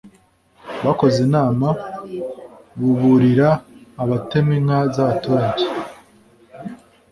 bakoze inama, buburira abatema inka z'abaturage.